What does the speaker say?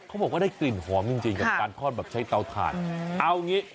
เขาบอกว่าได้กลิ่นหอมจริงจริงกับการทอดแบบใช้เตาถ่านเอางี้